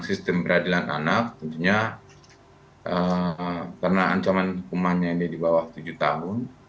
sistem peradilan anak tentunya karena ancaman hukumannya ini di bawah tujuh tahun